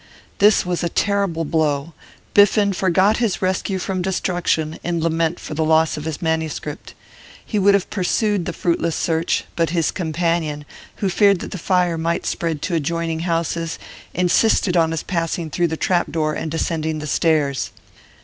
This was a terrible blow; Biffen forgot his rescue from destruction in lament for the loss of his manuscript. He would have pursued the fruitless search, but his companion, who feared that the fire might spread to adjoining houses, insisted on his passing through the trap door and descending the stairs.